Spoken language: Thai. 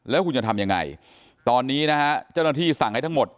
แล้วคุณจะทำยังไงตอนนี้นะฮะเจ้าหน้าที่สั่งให้ทั้งหมด